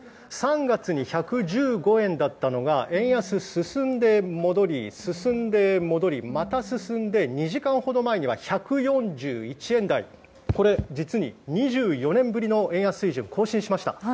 ３月に１１５円だったのが円安が進んで戻り進んで戻り、また進んで２時間ほど前には１４１円台と実に２４年ぶりの円安水準を更新しました。